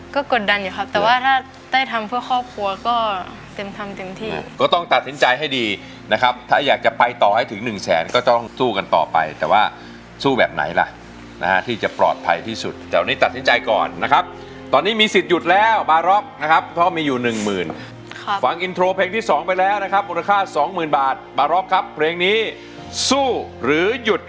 ก็กดดันอยู่ครับแต่ว่าถ้าได้ทำเพื่อครอบครัวก็เต็มทำเต็มที่ก็ต้องตัดสินใจให้ดีนะครับถ้าอยากจะไปต่อให้ถึงหนึ่งแสนก็ต้องสู้กันต่อไปแต่ว่าสู้แบบไหนล่ะนะฮะที่จะปลอดภัยที่สุดแต่วันนี้ตัดสินใจก่อนนะครับตอนนี้มีสิทธิ์หยุดแล้วบาร็อคนะครับเพราะมีอยู่หนึ่งหมื่นครับฟังอินโทรเพ